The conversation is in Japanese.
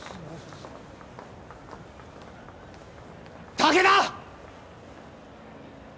武田！